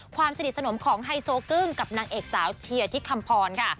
ความสนิทสนมของไฮโซกึ้งกับนางเอกสาวเชียร์ที่คำพรค่ะ